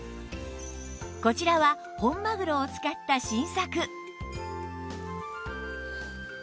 こちらは本マグロを使った新作